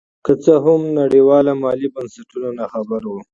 که څه هم نړیوال مالي بنسټونه نا خبره وو.